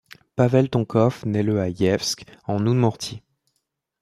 Pavel Tonkov nait le à Ijevsk, en Oudmourtie.